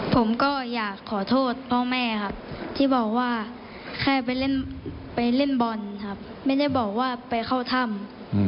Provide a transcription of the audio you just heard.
ผมก็อยากขอโทษพ่อแม่ครับที่บอกว่าแค่ไปเล่นบอลครับไม่ได้บอกว่าไปเข้าถ้ำ